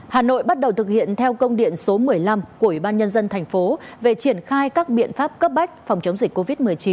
hà nội bắt đầu thực hiện theo công điện số một mươi năm của ủy ban nhân dân thành phố về triển khai các biện pháp cấp bách phòng chống dịch covid một mươi chín